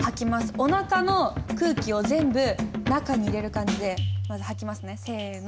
おなかの空気を全部中に入れる感じで吐きますねせの。